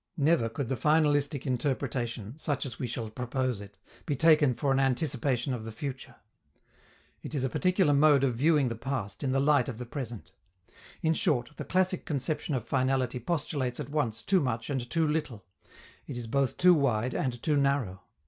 Never could the finalistic interpretation, such as we shall propose it, be taken for an anticipation of the future. It is a particular mode of viewing the past in the light of the present. In short, the classic conception of finality postulates at once too much and too little: it is both too wide and too narrow.